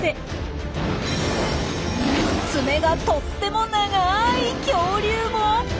ツメがとっても長い恐竜も。